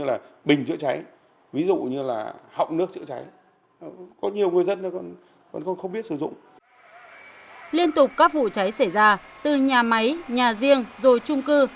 liên tục các vụ cháy xảy ra từ nhà máy nhà riêng rồi trung cư